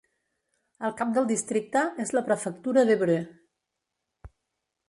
El cap del districte és la prefectura d'Évreux.